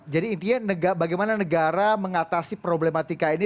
jadi intinya bagaimana negara mengatasi problematika ini